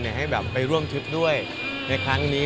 ให้แบบไปร่วมทริปด้วยในครั้งนี้